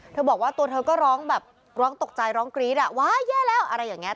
เธอบอกว่าตัวเธอก็ร้องตกใจร้องกรี๊ดว่าเยอะแล้วอะไรอย่างนี้